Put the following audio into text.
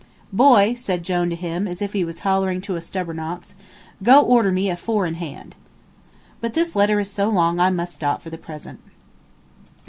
"Boy," said Jone to him, as if he was hollering to a stubborn ox, "go order me a four in hand." But this letter is so long I must stop for the present.